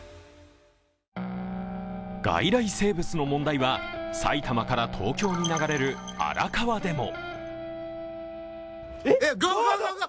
外来生物の問題は埼玉から東京に流れる荒川でも。